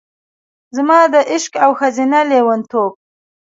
زما د عشق او ښځینه لیونتوب،